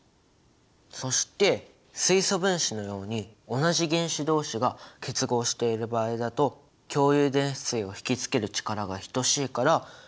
そして水素分子のように同じ原子どうしが結合している場合だと共有電子対を引き付ける力が等しいから結合の極性は生じない。